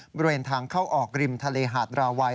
บริเวณทางเข้าออกริมทะเลหาดราวัย